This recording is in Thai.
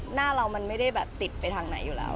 หน้าเรามันไม่ได้แบบติดไปทางไหนอยู่แล้ว